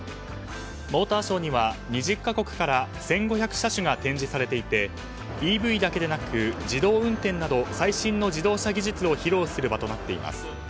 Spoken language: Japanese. モーターショーには２０か国から１５００車種が展示されていてＥＶだけでなく自動運転など最新の自動車技術を披露する場となっています。